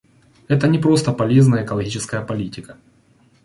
Это не просто полезная экологическая политика.